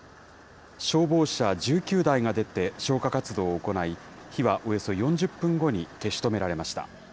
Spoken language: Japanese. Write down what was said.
消防車１９台が出て消火活動を行い、火はおよそ４０分後に消し止められました。